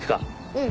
うん。